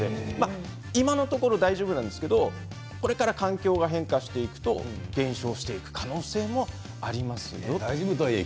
今のところ大丈夫なんですけどこれから環境が変化していくと減少していく可能性もありますよという。